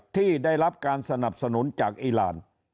ที่ได้รับการสนับสนุนจากอีราน